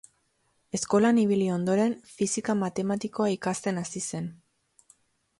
Eskolan ibili ondoren, fisika matematikoa ikasten hasi zen.